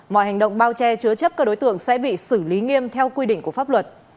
mọi hành động bao che chứa chấp các đối tượng sẽ bị xử lý nghiêm theo quy định của pháp luật